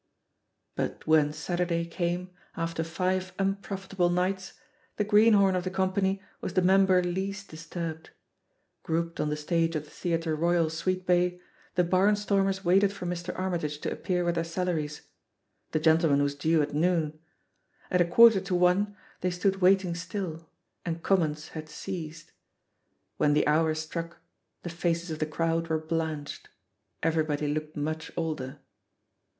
'* But when Saturday came, after five unprofit able nights, the greenhorn of the company was the member least disturbed. Grouped on the stage of the Theatre Royal, Sweetbay, the barn stormers waited for Mr. Armytage to appear with their salaries. The gentleman was due at noon. At a quarter to one they stood waiting still, and comments had ceased. When the hour struck, the faces of the crowd were blanched; everybody looked much older.